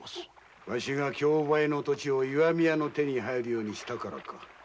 わしが競売の土地をそちの手に入るようにしたからか。